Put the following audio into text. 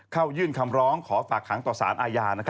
เข้ายื่นคำร้องขอฝากขังต่อสารอาญา